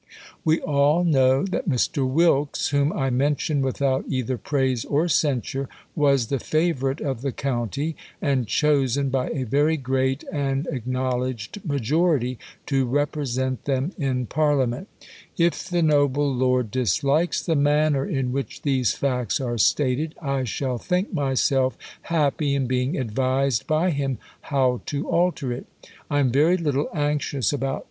/ We all know that Mr. W'ilkes (who;n I mention without either praise or censure) was me favourite of the county, ana chosen, by a xcry great and acknowl edged majority, to represent them ii Parliament. If the noble lord dislikes the manner ii which these facts are stated, I shall think myself hai^:)y in being advised hy him how to alter it. I am ver; little anxious about terms, 168 THE COLUMBIAN ORATOR.